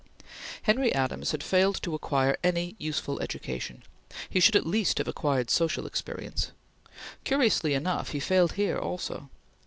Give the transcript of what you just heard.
Henry Adams had failed to acquire any useful education; he should at least have acquired social experience. Curiously enough, he failed here also.